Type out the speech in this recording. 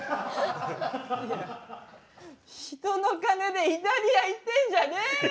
いや人の金でイタリア行ってんじゃねえよ！